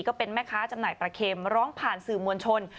ก็เป็นแม่ค้าจำหน่ายปลาเค็มร้องผ่านสื่อมวลชน